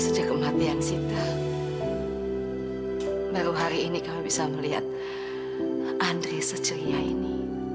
sejak kematian sita baru hari ini kamu bisa melihat andre seceria ini